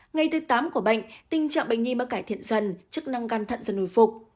ngày thứ tám của bệnh tình trạng bệnh nhi mới cải thiện dần chức năng gan thận dần hồi phục